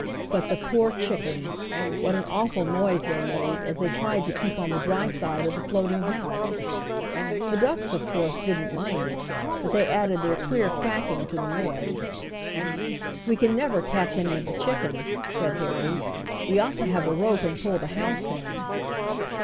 But the poor chickens! What an awful noise they made, as they tried to keep on the dry side of the floating house! The ducks, of course, didn't mind it, but they added their queer quacking to the noise. "We can never catch any of the chickens," said Harry. "We ought to have a rope and pull the house in."